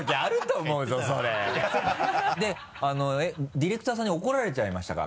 ディレクターさんに怒られちゃいましたか？